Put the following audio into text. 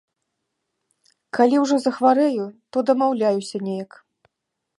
Калі ўжо захварэю, то дамаўляюся неяк.